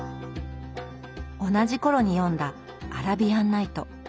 同じ頃に読んだ「アラビアン・ナイト」。